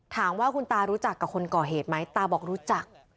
ถามว่าคุณตารู้จักกับคนก่อเหตุไหมตาบอกรู้จัก